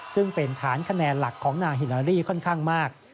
ซึ่งเป็นฐานคะแนนหลักของนางฮิลาลี่ค่อนข้างมาก